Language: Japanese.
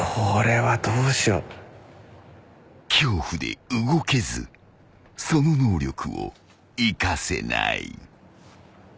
［恐怖で動けずその能力を生かせない］